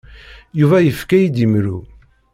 Yuba yefka-iyi-d imru.